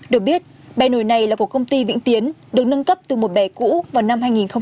được biết bè nổi này là của công ty vĩnh tiến được nâng cấp từ một bè cũ vào năm hai nghìn một mươi